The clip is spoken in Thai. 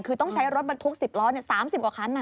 คือต้องใช้รถบรรทุก๑๐ล้อ๓๐กว่าคัน